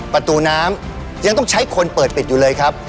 ประตูน้ำยังต้องใช้คนเปิดปิดอยู่เลยครับ